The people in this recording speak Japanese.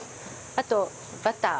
あっバター！